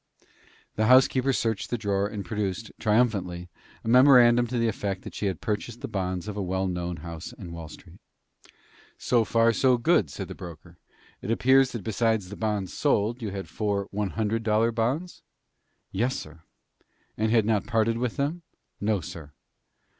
The housekeeper searched the drawer, and produced, triumphantly, a memorandum to the effect that she had purchased the bonds of a well known house in Wall Street. "So far, so good!" said the broker. "It appears that besides the bonds sold you had four one hundred dollar bonds?" "Yes, sir." "You had not parted with them?" "No, sir."